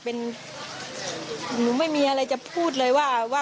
หนูไม่มีอะไรจะพูดเลยว่า